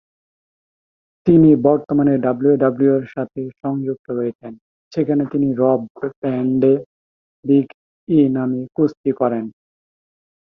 তিনি বর্তমানে ডাব্লিউডাব্লিউইর সাথে সংযুক্ত রয়েছেন, যেখানে তিনি র ব্র্যান্ডে বিগ ই নামে কুস্তি করেন।